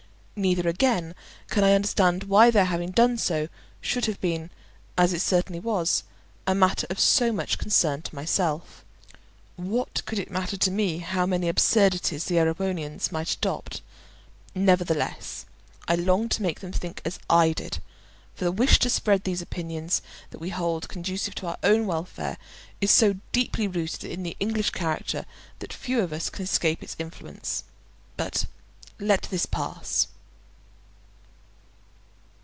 Neither, again, can I understand why their having done so should have been, as it certainly was, a matter of so much concern to myself. What could it matter to me how many absurdities the Erewhonians might adopt? Nevertheless I longed to make them think as I did, for the wish to spread those opinions that we hold conducive to our own welfare is so deeply rooted in the English character that few of us can escape its influence. But let this pass.